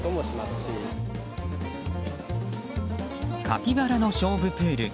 カピバラの菖蒲プール